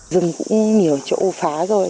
rừng cũng nhiều chỗ phá rồi